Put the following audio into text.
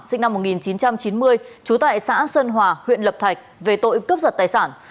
sinh năm một nghìn chín trăm chín mươi trú tại xã xuân hòa huyện lập thạch về tội cướp giật tài sản